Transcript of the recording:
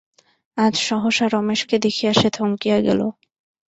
আজ সহসা রমেশকে দেখিয়া সে থমকিয়া গেল।